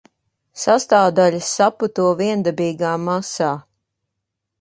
Sastāvdaļas saputo viendabīgā masā.